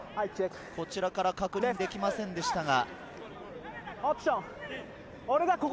こちらからは確認できませんでしたが。